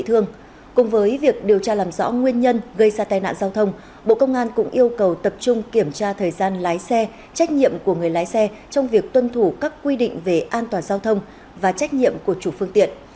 trong việc điều tra làm rõ nguyên nhân gây ra tai nạn giao thông bộ công an cũng yêu cầu tập trung kiểm tra thời gian lái xe trách nhiệm của người lái xe trong việc tuân thủ các quy định về an toàn giao thông và trách nhiệm của chủ phương tiện